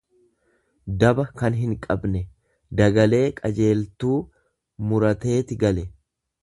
daba tan hinqabne; Dagalee qajeel tuu murateeti gale.